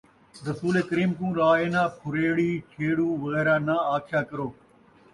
رسولِ کریم کوں رَاعِنَا پُھریڑی، چھیڑو وغیرہ نہ آکھیا کرو،